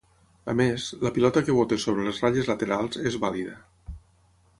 A més, la pilota que bote sobre les ratlles laterals és vàlida.